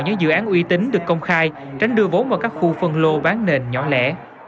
những dự án uy tín được công khai tránh đưa vốn vào các khu phân lô bán nền nhỏ lẻ